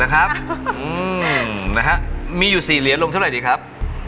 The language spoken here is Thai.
อ๋อแล้วนะครับอืมนะฮะมีอยู่สี่เหรียญลงเท่าไรดีครับ